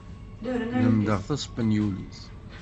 Lemmdeɣ taspanyulit.